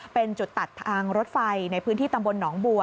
เป็นจุดตัดทางรถไฟในพื้นที่ตำบลหนองบัว